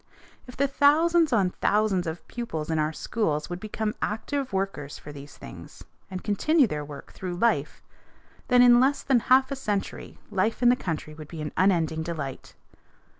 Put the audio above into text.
If the thousands on thousands of pupils in our schools would become active workers for these things and continue their work through life, then, in less than half a century, life in the country would be an unending delight.